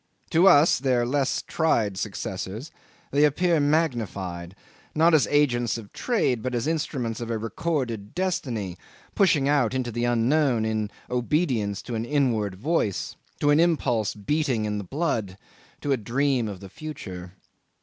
To us, their less tried successors, they appear magnified, not as agents of trade but as instruments of a recorded destiny, pushing out into the unknown in obedience to an inward voice, to an impulse beating in the blood, to a dream of the future.